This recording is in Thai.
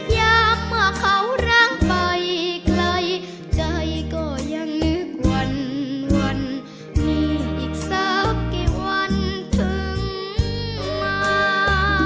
อยากเมื่อเขาร้างไปไกลใจก็ยังนึกวันวันนี้อีกสักกี่วันถึงมา